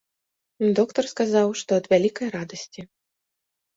Доктар сказаў, што ад вялікай радасці.